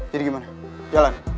jadi gimana jalan